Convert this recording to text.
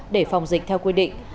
để phòng dịch theo quy định